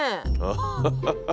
アハハハ。